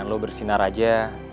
dengan lo bersinar aja